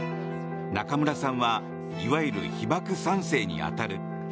中村さんはいわゆる被爆３世に当たる。